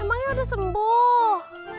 emangnya udah sembuh